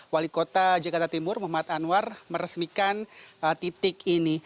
wali kota jakarta timur muhammad anwar meresmikan titik ini